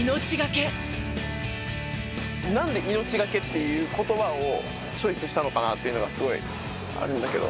なんで命がけっていう言葉をチョイスしたのかなっていうのがすごいあるんだけど。